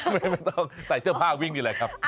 ไม่ต้องใส่เสื้อผ้าวิ่งนี่แหละครับ